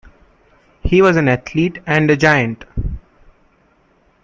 He was an athlete and a giant.